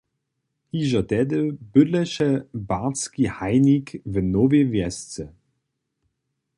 Hižo tehdy bydleše Bartski hajnik w Nowej Wjesce.